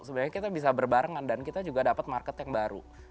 sebenarnya kita bisa berbarengan dan kita juga dapat market yang baru